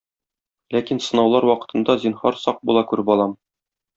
Ләкин сынаулар вакытында, зинһар, сак була күр, балам.